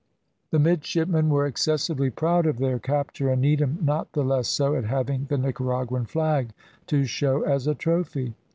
The midshipmen were excessively proud of their capture, and Needham not the less so at having the Nicaraguan flag to show as a trophy.